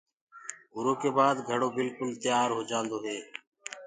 اُرو ڪي بآد گھڙو بِلڪُل تيآر هوجآندو هي۔